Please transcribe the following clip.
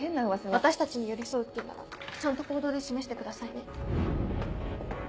私たちに寄り添うって言うならちゃんと行動で示してくださいね。